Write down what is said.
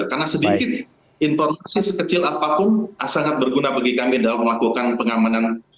karena sedikit informasi sekecil apapun sangat berguna bagi kami dalam melakukan pengamanan